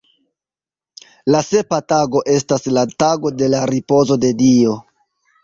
La sepa tago estas la tago de la ripozo de Dio.